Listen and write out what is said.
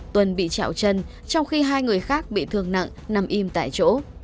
tuân bị chạo chân trong khi hai người khác bị thương nặng nằm im tại chỗ